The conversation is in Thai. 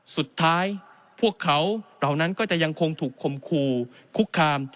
สุดท้ายพวกเขาเหล่านั้นก็จะยังคงถูกคมคู่คุกคาม